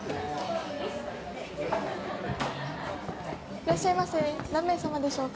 いらっしゃいませ何名様でしょうか？